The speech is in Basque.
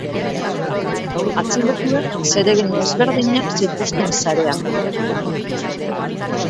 Atxilotuek zeregin ezberdinak zituzten sarean.